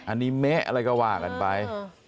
อันนี้เมะอะไรก็ว่ากันไป